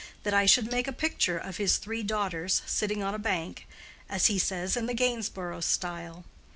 —that I should make a picture of his three daughters sitting on a bank—as he says, in the Gainsborough style.